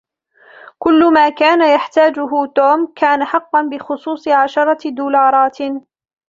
كل ما كان يحتاجه توم كان حقاً بخصوص عشرة دولارات.